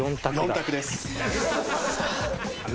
４択です。